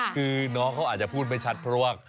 คือน้องเขาอาจจะพูดไม่ชัดเพราะว่า